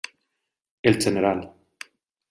El General.